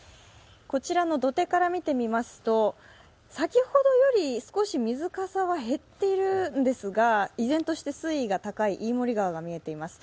こちらの土手から見てみますと先ほどより少し水かさは減っているんですが依然として水位が高い、飯盛川が見えています。